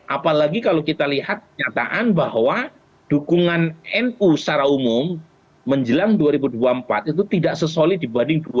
apalagi kalau kita lihat nyataan bahwa dukungan nu secara umum menjelang dua ribu dua puluh empat itu tidak sesolid dibanding dua ribu dua puluh